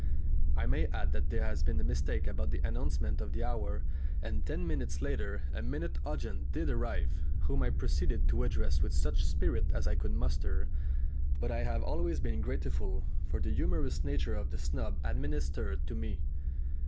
I may add that there had been a mistake about the announcement of the hour, and ten minutes later a minute audience did arrive, whom I proceeded to address with such spirit as I could muster; but I have always been grateful for the humorous nature of the snub administered to me.